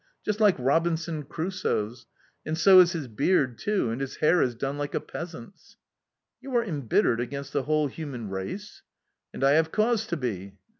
Just like Robinson Crusoe's and so is his beard too, and his hair is done like a peasant's." "You are embittered against the whole human race?" "And I have cause to be"...